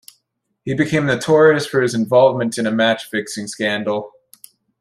He became notorious for his involvement in a match-fixing scandal.